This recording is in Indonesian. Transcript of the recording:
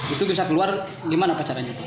itu bisa keluar gimana pacarannya